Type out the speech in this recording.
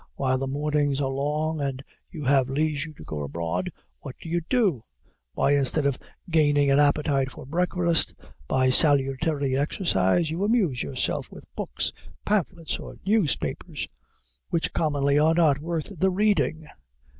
While the mornings are long, and you have leisure to go abroad, what do you do? Why, instead of gaining an appetite for breakfast, by salutary exercise, you amuse yourself with books, pamphlets, or newspapers, which commonly are not worth the reading.